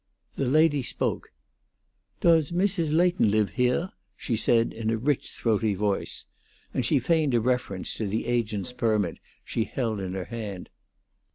The lady spoke. "Does Mrs. Leighton live heah?" she said, in a rich, throaty voice; and she feigned a reference to the agent's permit she held in her hand.